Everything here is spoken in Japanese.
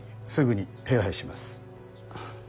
すぐに手配します。